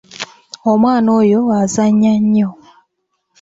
Omwana oyo azannya nnyo.